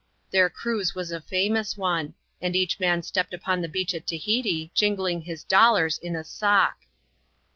Their cruise was a famous one ; and each man stepped upon the beach at Tahiti, jingling his dollars in a sock.